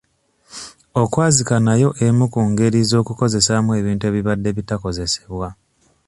Okwazika nayo emu ku ngeri z'okukozesaamu ebintu ebibadde bitakozesebwa.